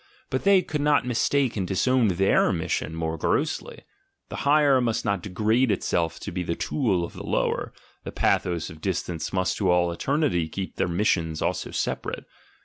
But they could not mistake and disown their mission more grossly — the higher must not degrade itself to be the tool of the lower, the pathos of distance must to all eternity keep their missions also separate.